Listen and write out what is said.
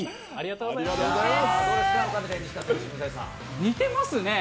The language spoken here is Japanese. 似てますね。